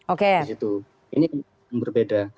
oke ini berbeda